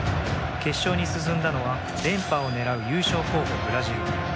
決勝に進んだのは連覇を狙う優勝候補ブラジル。